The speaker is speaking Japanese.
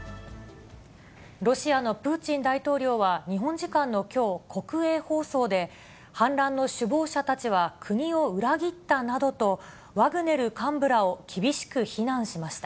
ロシアのプーチン大統領は日本時間のきょう、国営放送で、反乱の首謀者たちは国を裏切ったなどと、ワグネル幹部らを厳しく非難しました。